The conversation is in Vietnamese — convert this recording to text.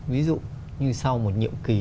ví dụ như sau một nhiệm kỳ